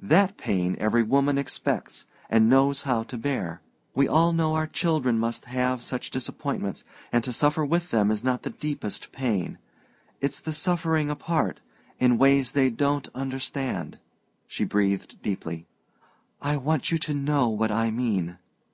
That pain every woman expects and knows how to bear. We all know our children must have such disappointments, and to suffer with them is not the deepest pain. It's the suffering apart in ways they don't understand." She breathed deeply. "I want you to know what I mean.